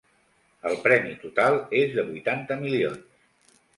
El premi total és de vuitanta milions.